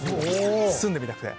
住んでみたくて。